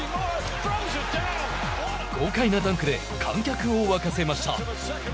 豪快なダンクで観客を沸かせました。